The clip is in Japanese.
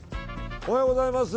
おはようございます。